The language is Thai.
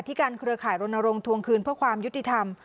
การเครือข่ายรณรงค์ทวงคืนเพื่อความยุติธรรม